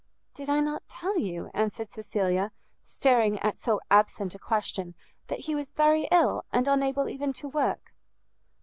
"Did I not tell you," answered Cecilia, staring at so absent a question, "that he was very ill, and unable even to work?"